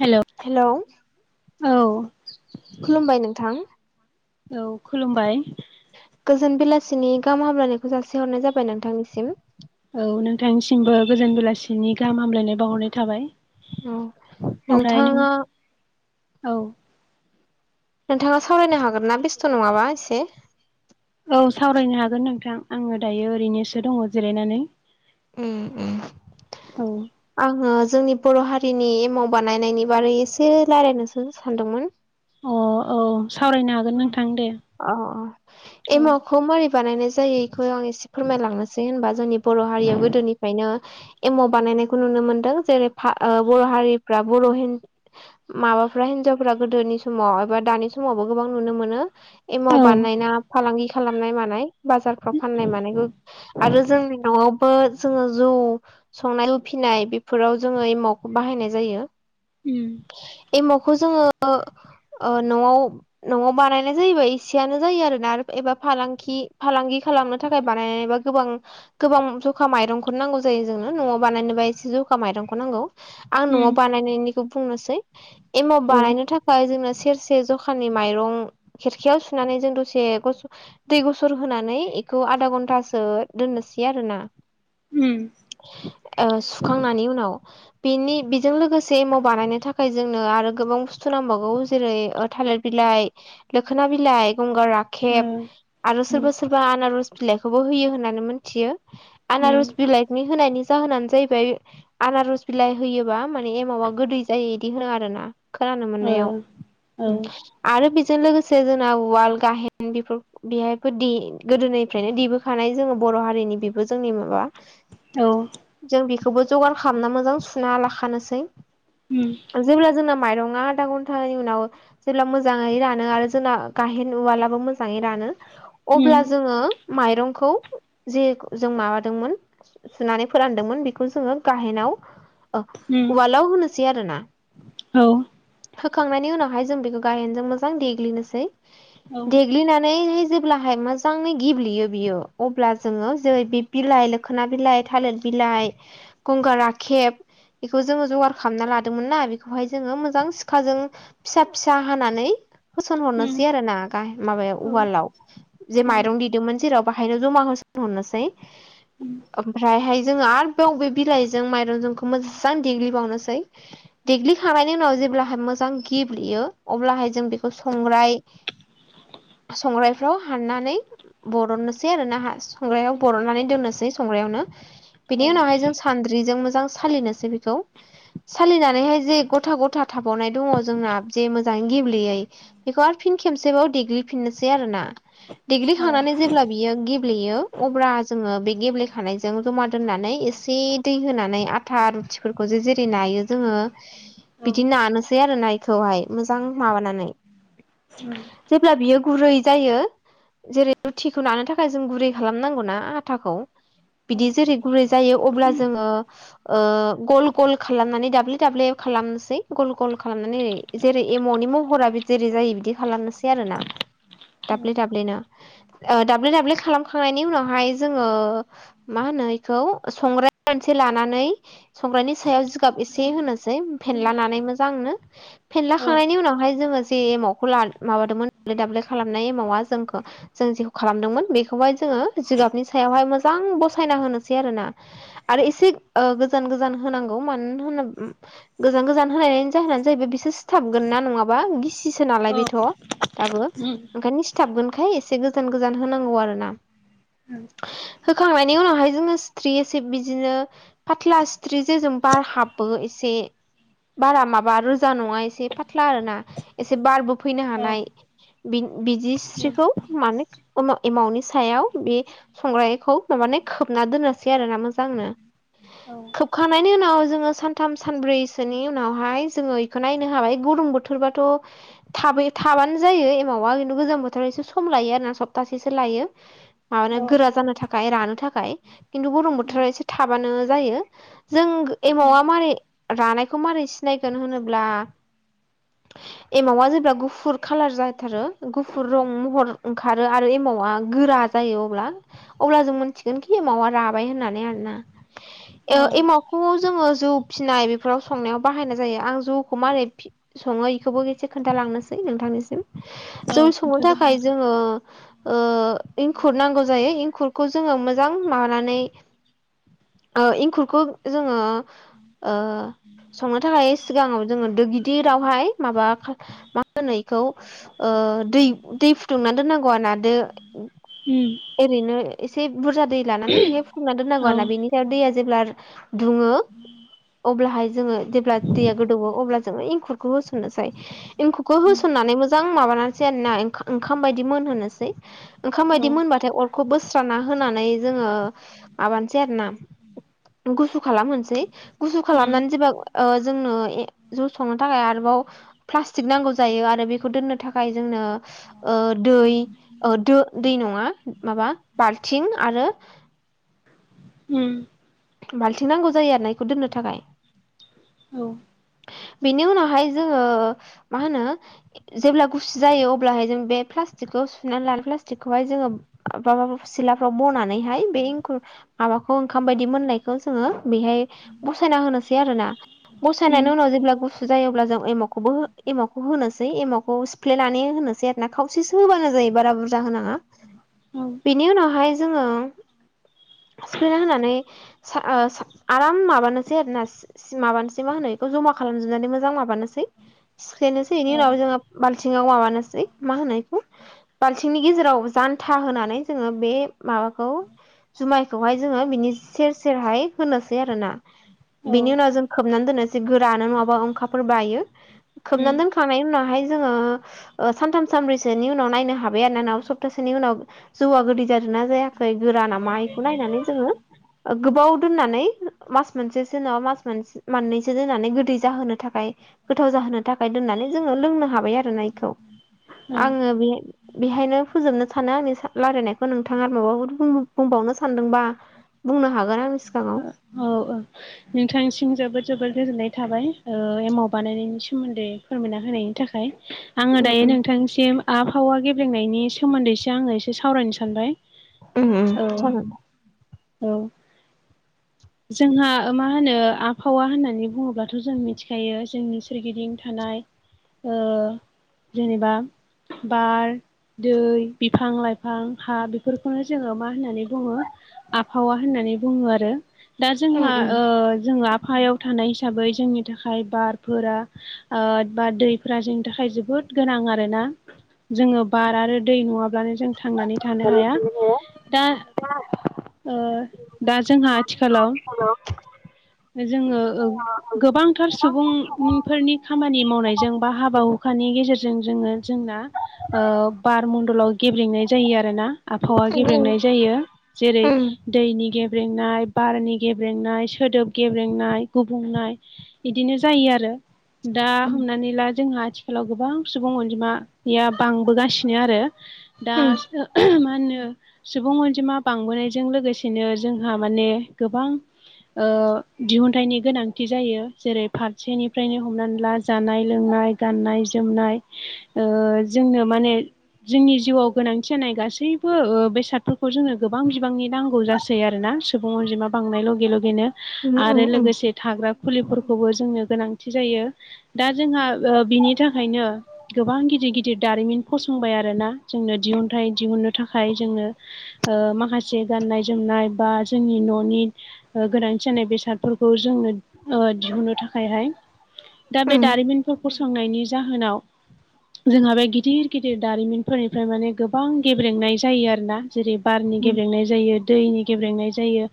Hello औ खुलुमबाय नोंथां औ खुलुमबाय गोजोन बेलासिनि गाहाम हामलायखौ जासिहरनाय जाबाय नोंथांनिसिम औ नोंथांसिमबो गोजोन बेलासिनि गाहाम हामलायनाय बावहरनाय थाबाय औ ओमफ्राय नों नोंथाङा औ नोंथाङा सावरायनो हागोन ना बेस्थ' नङाबा एसे औ सावरायनो हागोन नोंथां आङो दायो ओरैनोसो दङ जिरायनानै उम उम औ आङो जोंनि बर' हारिनि एमाव बानायनायनि बारै एसे रायजलायनोसो सानदोंमोन अ औ सावरायनो हागो उम अ अ औ एमावखौ मोरै बानायनाय जायो खौ आं एसे फोरमायलांनोसै होनबा जोंनि बर' हारियाव गोदोनिफ्रायनो एमाव बानायनायखौ नुनो मोनदों जेरै बा ओ बर' हारि फ्रा बर' माबाफ्रा हिनजावफ्रा गोदोनि समाव एबा दानि समावबो गोबां नुनो मोनो एमाव औ बानायना फालांगि खालामनाय मानाय बाजारफ्राव फाननाय मानायखौ आरो जोंनि न'आवबो जोङो जौ संनाय उफैनाय बेफोराव जोङो एमावखौ बाहायनाय जायो उम एमावखौ जोङो ओ न'आव न'आव बानायनाय जायोबा एसेयानो जायो आरोना एबा फालांगि फालांगि खालामनो थाखाय बानायनाय बा गोबां गोबां जखा माइरंखौनो नांगौ जायो जोंनो न'आव बानायनोबा एसे जखा माइरंखौ नांगौ आं न'आव उम बानायनायनिखौ बुंनोसै एमाव औ उम बानायनो थाखाय जोंना सेरसे जखानि दै माइरं खेरखायाव सुनानै जों दसे ग दै गुसर होनानै बेखौ आधा घन्टासो दोननोसै आरो ना। ओम ओ सुखांनानै उनाव। बेनि बेजों लोगोसे एमाव बानायनो थाखाय जोंनो आरो गोबां बुस्थु नांबावगौ जेरै थालेर बिलाइ लोखोना बिलाइ, गंगार ओ राखेब आरो उम सोरबा बा आनारस बिलाइखौबो होयो होननानै मिथियो। उम आनारस बिलाइनि होनायनि जाहोनानो जाहैबाय आनारस बिलाइ होयोबा माने एमावा गोदै जायो इदि होनो आरो ना। खोनानो ओ औ मोननायाव। आरो बेजों लोगोसे जोंना उवाल गाहेन बेफोर बेहायबो द गोदोनिफ्रायनो देबोखानाय जोङो बर' हारिनि बेबो जोंनि माबा औ जों बेखौबो जगार खालामना मोजां सुना लाखानोसै उम जेब्ला जोंना माइरङा आधा घन्टानि उनाव जेब्ला मोजां मोजाङै रानो आरो जोंना गाहेन उवालाबो मोजाङै रानो उम अब्ला जोङो माइरंखौ जे जों माबादोंमोन सुनानै फोरानदोंमोन बेखौ जोङो गाहेनाव उम उवालाव होनोसै आरो ना। औ होखांनायनि उनावहाय जों बेखौ गायेनजों मोजां देग्लिनोसै। उम औ देग्लिनानै जे ब्लाहाय मोजाङै गेब्लेयो बियो अब्ला जोङो जेरै बे बिलाइ लोखोना बिलाइ थालिर बिलाइ गंगार राखेब बेखौ जोङो जगार खालामना लादोंमोन ना बेखौहाय जोङो मोजां सिखाजों फिसा फि सा हानानै फोसन उम हरनोसै आरो ना गाह- माबायाव औ ओ उवालाव जे माइरं देदोंमोन जेराव बाहायनो जमा होसिहरनोसै। ओमफ्रायहाय जोङो आरो बाव बे बिलाइजों माइरंजोंखौ मोजां देग्लिबावनोसै देग्लिखांनायनि उनाव जेब्लााय मोजां गिब्लियो अब्लाहाय जों बेखौ संग्राय संग्रायफ्राव हाननानै बरननोसै आरो ना संग्रायाव बरननानै दोननोसै संग्रायावनो। बिनि उनावहाय जों सानद्रिजों मोजां सालिनोसै बेखौ। सालिनानैहाय जे गथा गथा थाबावनाय दङ जोंना जे मोजाङै गेब्लेयै बेखौ आरो फिन खेबसेबाव देग्लिफिननोसै आरोना। दिग्लि खांनानै जेब्ला बियो गेब्लेयो अब्ला जोङो बे गेब्लेखानायजों जमा दोननानै एसे दै होनानै आथा रुटिफोरखौ जों जेरै नायो जोङो औ बिदि नानोसै आरो नायखौहाय मोजां माबानानै। उम जेब्ला बियो गुरै जायो। जेरै रुटिखौ लानो थाखाय जों गुरै खालामनांगौना आथाखौ। औ बिदि जेरै गुरै जायो अब्ला जोङो ओ गल गल खालामनानै दाब्ले दाब्ले खालामनोसै गल गल खालामनानै ओरै जेरै एमावनि महरा जेरै जायो बिदि खालामनोसै आरो ना, औ दाब्ले दाब्लेनो। ओ दाब्ले दाब्ले खालामखांनायनि उनावहाय जोङो मा होनो बेखौ संग्राय गंसे लानानै संग्रानि सायाव जिगाब एसे होनोसै औ फेनलानानै मोजांनो। फेेनलाखांनायनि उनावहाय जोङो जे एमावखौ माबादोंमोन दाब्ले दाब्ले खालामनाय एमावा जों बेखौ जों जेखौ खालामदोंमोन बेखौहाय जोंङो जिगाबनि सायावहाय मोजां बसायना होनोसै आरो ना। आरो एसे गोजान गोजान होनांगौ मानो होनोबा गोजान गोजान होनायनि जाहोनानो जाहैबाय बिसोर सिथाबगोन ना नङाबा गिसिसो नालाय बेथ' दाबो ओंखायनो। सिथाबगोनखाय एसे गोजान गोजान होनांगौ आरो ना। होखांनायनि उनावहाय जोंङो सिथ्रि एसे बिदिनो फाथ्ला सिथ्रि जेजों बार हाबो एसे बारा माबा रोजा नङा एसे। एसे फाथ्ला आरो ना एसे बारबो फैनो हानाय बिदि सिथ्रिखौ। माने एमावनि सायाव बे। संग्रायखौ माबानो खोबना दोननोसै आरोना मोजांनो। औ खोबखांनायनि उनाव जोंङो सानथाम सानब्रैसोनि उनावहाय जोंङो इखौ नायनांगौ। नो हाबाय गुदुं बोथोरबाथ'। थाब थाबानो जायो एमावा खिन्थु गोजां बोथोराव एसे सम लायो आरोना सप्तासेसो लायो। [inaudible] माबानो गोरा जानो थाखाय रानो थाखाय खिन्थु गरम बोथोराव एसे थाबानो जायो। जों एमावा मारै रानायखौ मारै सिनायगोन होनोब्ला। एमावा जेब्ला गुफुर कालार जाथारो गुफुर रं महर ओंखारो आरो एमावा गोरा। जायो अब्ला अब्ला जों मिथिगोनखि एमावा राबाय होननानै आरोना। औ एमावखौ जोंङो जौ फिनाय बेफोराव संनायाव बाहायनाय जायो आं जौखौ मारै। संङो बेखौबो एसे खोन्थालांनोसै नोंथांनिसिम। औ जौ संनो खोन्थादों थाखाय नोंथां जोंङो। इंखुर नांगौ जायो इंखुरखौ जोंङो मोजां माबानानै। इंखुरखौ जोंङो। ओ संनो थाखाय सिगांङाव जोंङो दो। गिदिरावहाय माबा मा होनो बेखौ। दै दै फुदुंना दोननांगौ आरोना दो। ओरैनो एसे बुरजा दै लानानैहाय फुदुंना दोननांगौ आरो ना बेनि। दैया जेब्ला दुंङो। अब्लाहाय जोंङो जेब्ला दैया गोदौवो अब्ला जोंङो एंखुरखौ होसननोसै। एंखुखौ होसननानै मोजां माबानानैसै आरो ना ओंखाम बायदि मोनहोनोसै। ओंखाम बायदि मोनबाथाय अरखौ बोस्राना होनानै जोंङो माबानोसै आरो ना। गुसु खालाम होनसै गुसु खालामनानै औ जेब्ला। ओ जोंनो जौ संनो थाखाय आरोबाव। प्लास्टिक नांगौ जायो आरो बेखौ दोननो थाखाय जोंनो। दै दै नङा माबा बाल्थिं आरो। उम। बाल्थिं नांगौ जायो आरो ना बेखौ दोननो थाखाय। औ बेनि उनावहाय जोंङो मा होनो। जेब्ला गुसु जायो अब्लाहाय जों बे प्लास्टिकखौ सुनानै लानो प्लास्टिकखौहाय जोंङो। माबा सिलाफ्राव बनानैहाय एंखुर माबाखौ ओंखाम बायदि मोननाय। जोंङो बेहाय बसायना होनोसै आरोना बसायनानै उनाव जेब्ला गुसु। जायोब्ला जों एमखौबो एमावखौ होनोसै एमावखौ सिफ्ले लनानै होनोसै आरो ना खावसेसो होबानो जायो बारा बुरजा होनाङा बेनि उनावहाय जोङो सिफेना होनानै आराम माबानोसै आरोना माबानोसै मा होनो खौ जमा खालामजोबनानै मोजां माबानोसै सिख्लायनोसै बेनि उनाव जोङो बालथिङाव माबानोसै मा होनायखौ बाल्थिंनि गेजेराव जानथा होनानै जोङो बे माबाखौ जुमायखौहाय जोङो बिनि सेर सेरहाय होनोसै आरो ना बिनि उनाव जों खोबनानै दोननोस गोरानो नङाबा ओंखाफोर बायो खोबनानै दोन खांनाय उनावहाय जोङोओह सानथाम सानब्रैसोनि उनाव नायनो हाबाय आरो नाना सप्तासेनि उनाव जौवआ गोदै जादों ना जायाखै गोरा नामा बेखौ नायनानै जोङो गोबाव दोननानै मास मोनसेसो नङा मास मोनसे मोननैसो से दोननानै गोदै जोनो थाखाय गोथाव जाहोनो थाखाय दोननानै जोङो लोंनो हाबाय आरो आङो बे बेहायनो फोजोबनो सानो आंनि रायलायनायखौ नोंथाङ आरो माबाफोर बुंबावनो सानदोंबा बुंनो हागोन आं सिगाङाव औ औ नोंथांसिम जोबोद जोबोद गोजोननाय थाबाय एमाव बानायनायनि सोमोन्दै फोरमायना होनायनि थाखाय आङो उम दायो उम नोंथांनिसिम आबहावा गेब्लेंनायनि सोमोन्दैसो आङो एसे सावरायनो सानबाय उ औ साल औ जोंहा मा होनो आबहावा होननानै बुङोब्लाथ' जों मिथिखायो जोंनि सोरगिदिं थानाय जेनेबा बार दै बिफां लाइफां हा बेफोरखौनो जोङो मा होननानै बुङो आबहावा होननानै बुङो आरो दा उम जोंहा जोङो आफहायाव थानाय हिसाबै जोंनि थाखाय बारफोरा बा दैफ्रा जोंनि थाखाय जोबोद गोनां आरो ना जोङो बार आरो दै नङाब्लानो जों थांनानै थानो हाया उम दा दा जोंहाथि हेलाव जोङो गोबांथार सुबुंफोरनि खामानि मावनायजों बा हाबा हुखानि गेजेरजों जोङो जोंना बार मडलाव गेब्लेेंनाय जायो आरोोना आबहावा गेब्रेंनाय जायो जेरै दैनि गेब्रेंनाय बारनि गेब्रेंनाय सोदोब गेब्रेंनाय गुबुंनाय बिदिनो जायो आरो दा हमनानै ला जोंहा आथि आथिखालाव गोबां सुबुं अनजिमाया बांबोगासिनो आरो दाय। मा होनो सुबुं अनजिमा बांबोनायजों लोगोसेनो जोंहा माने गोबां दिहुनथाइनि गोनांथि जायो जेरै फारसेनिफ्रायनो हमनानै ला जानाय लोंनाय गाननाय जोमनाय जोंनो माने जोंनि जिउआव गोनांथि जानाय गासैबो बेसादफोरखौ जोंनो गोबां बिबांनि नांगौ जासै आरोना सुबुं अनजिमा बांनाय लगे लगेनो उम उम आरो लोगोसे थाग्रा फुलिफोरखौबो जोंनो गोनांथि जायो दा जोंहा बिनि थाखायनो गोबां गिदिर गिदिर दारिमिन फसंबाय आरोोना जोंनो दिहुनथाइ दिहुननो थाखाय जोङनो माखासे गाननाय जोमनाय बा जोंनि न'नि गोनांथि जानाय बेसादफोरखौ जोंङनो दिहुनो थाखायहाय दा बे उम दारिमिनफोर फसंनायनि जाहोनाव जोंहा बे गिदिर गिदिर दारिमिनफोरनिफ्राय माने गोबां गेब्रेंनाय जायो आरो ना जेरै बारनि गेब्लेंनाय जायो दैनि गेब्लेंनाय जायो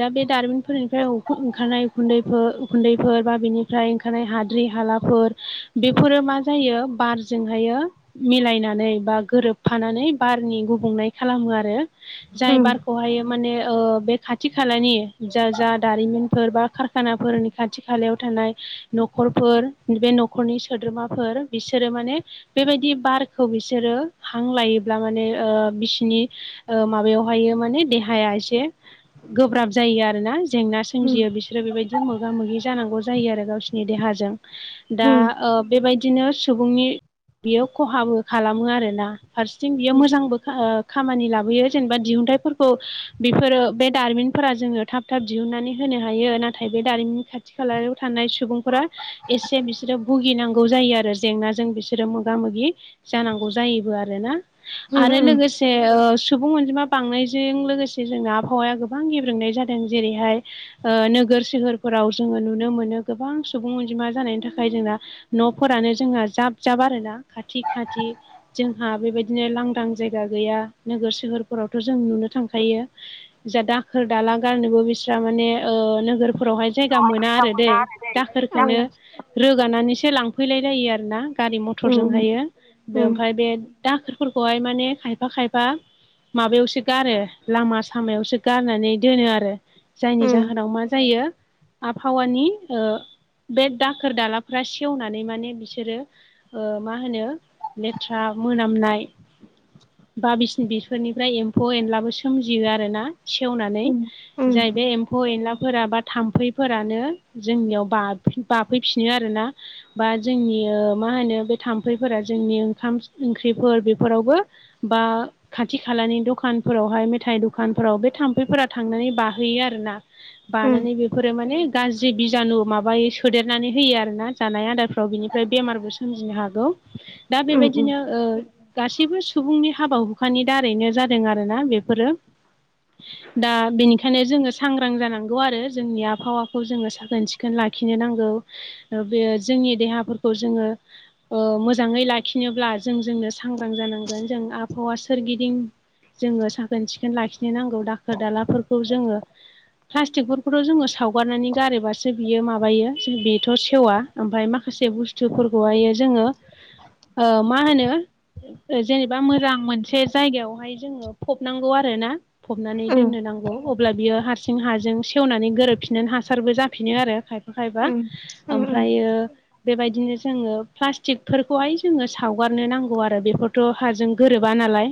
दा बे दारिमिनफोरनिफ्राय ओंखारनाय उखुन्दैफोर उखुन्दैफोर बा बेनि ओमफ्राय ओंखारनाय हाद्रि हालाफोर बेफोरो मा जायो बारजोंहायो मिलायनानै बा गोरोबफानानै बारनि गुबुंनाय खालामो आरो जाय उम बारखौहाय माने ओ बे खाथि खाथि खालानि जा जा दारिमिनफोर बा खारखानाफोरनि खाथि खालायाव थानाय न'खरफोर बे न'खरनि सोद्रोमाफोर बिसोरो माने बेबायदि बारखौ बिसोरो हां लायोब्ला माने ओ बिसिनि माबायावहायो माने देहाया एसे गोब्राब जायो आरोना जेंना सोमजियो बिसोर बि बेबायदि मोगा मोगि जानांगौ जायो आरो गावसिनि देहाजों दा बेबायदिनो सुबुंनि बियो खहाबो खालामो आरोना फारसेथिं बियो मोजांबो खामानि लाबोयो जेनेबा दिहुनथाइफोरखौ [unintelligible] बेफोरो बे दारिमिनफोरा जोङो थाब थाब दिहुननानै होनो हायो नाथाय बे दारिमिननि खाथि खालायाव थानाय सुबुंफोरा एसे बिसोरो भुगिनांगौ जायो आरो जेंनाजों बिसोरो मोगा मोगि जानांगौ जायोबो आरोना। आरो लोगोसे ओ सुबुं अनजिमा बांनायजों लोगोसे जोंनि आबहावाया गोब गोबां गेब्रोंनाय जादों जेरैहाय ओ नोगोर सोहोरफोराव जोङो नुनो मोनो गोबां सुबुं अनजिमा जानायनि थाखाय जोंना न'फोरानो जोंहा जाब जाब आरोना खाथि खाथि जोंहा बेबायदिनो लांदां जायगा गैया नोगोर सोहोरफोरावथ' जों नुनो थांखायो। जा दाखोर दाला गारनोबो बिस्रा माने नोगोरफोरावहाय जायगा मोना आरो दै दाखोरखोनो रोगानानैसो लांफैलायलायो आरोना गारि मटरजोंहायो ओमफ्राय बे दाखोरफोरखौहाय माने खायफा खायफा माबायावसो गारो लामा सामायावसो गारनानै दोनो आरो जायनि उम जाहोनाव मा जायो आबहावानि ओ बे दाखोर दालाफ्रा सेवनानै माने बिसोरो मा होनो लेथ्रा मोनामनाय बा बिसनि बिफोरनिफ्राय एम्फौ एनलाबो सोमजियो आरो ना सेवनानै उम जाय बे एमौ एम्फौ एनलाफोरा बा थाम्फैफोरानो जोंनियाव बा बाफैफिनो आरोना। बा जोंनि मा होनो बे थाम्फैफोरा जोंनि ओंखाम ओंख्रिफोर बेफोरावबो बा खाथि खालानि दखानफोरावहाय मेथाइ दखानफोराव बे थाम्फैफोरा थांनानै बाहैयो आरोना उम बानानै बे फोरो माने गाज्रि बिजानु माबायो सोदेरनानै होयो आरोना जानाय आदारफ्राव बिनिफ्राय बेमारबो सोमजिनो हागौ। [inaudible] दा उम बेबायदिनो ओ गासैबो सुबुंनि हाबा हुखानि दारैनो जादों आरोना बेफोरो दा बेनिखायनो जोङो सांग्रां जानांगौ आरो जोंनि आबहावाखौ जोङो साखोन सिखोन लाखिनो नांगौ बेयो जोंनि देहाफोरखौ जोङो ओ मोजाङै लाखिनोब्ला जों जोंनो सांग्रां जानांगोन जों आबहावा सोरगिदिं जोङो साखोन सिखोन लाखिनो नांगौ दाखोर दालाफोरखौ जोङो प्लास्टिकफोरखौथ' जोङो सावगारनानै गारोबासो बियो माबायो बेथ' सेवा ओमफ्राय माखासे बुस्थुफोरखौहायो जोङो ओ मा होनो जेनेबा मोजां मोनसे जायगायावहाय जोङो फबनांगौ आरो ना। फबनानै उम दोननो नांगौ। अब्ला बियो हारसिं हाजों सेवनानै गोरोबफिननानै हासारबो ज जाफिनो आरो खायफा बा उम उम उम ओमफ्रायो बेबायदिनो जोङो प्लास्टिकफोरखौहाय जोङो सावगारनो नांगौ आरो बेफोरथ' हाजों गोरोबा नालाय